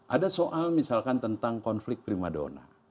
ada soal misalkan tentang konflik prima dona